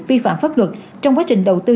vi phạm pháp luật trong quá trình đầu tư